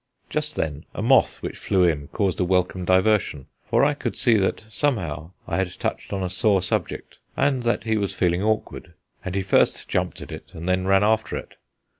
Just then a moth which flew in caused a welcome diversion for I could see that somehow I had touched on a sore subject, and that he was feeling awkward and he first jumped at it and then ran after it.